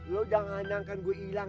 lu udah ngandang kan gue ilang